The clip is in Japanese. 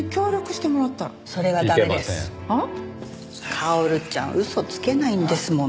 薫ちゃん嘘つけないんですもん。